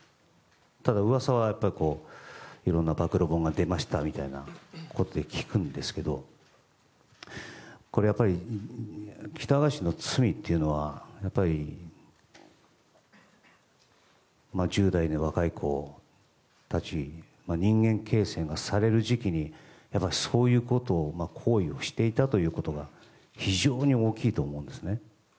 ただ、噂はいろんな暴露本が出ましたみたいなことで聞くんですけど喜多川氏の罪というのは１０代の若い子たち人間形成がされる時期にそういう行為をしていたということが非常に大きいと思うんですね。